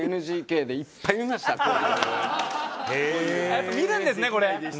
やっぱ見るんですねこれ。